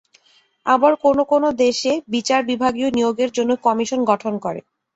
আবার কোনো কোনো দেশে বিচার বিভাগীয় নিয়োগের জন্য কমিশন গঠন করে।